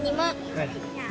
はい。